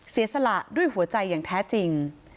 เสียสละด้วยหัวใจอย่างแท้จริง